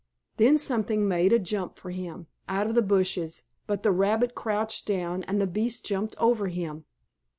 Then something made a jump for him, out of the bushes, but the rabbit crouched down, and the beast jumped over him.